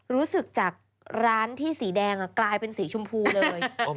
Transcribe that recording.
รู้สึกจากร้านที่สีแดงกลายเป็นสีชมพูเลย